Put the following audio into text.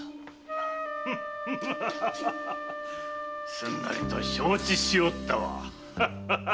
すんなりと承知しおったわ。